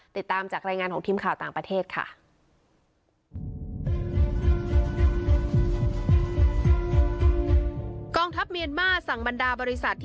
ติดตามจากรายงานของทีมข่าวต่างประเทศค่ะ